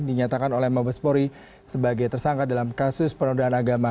dinyatakan oleh mabespori sebagai tersangka dalam kasus penodaan agama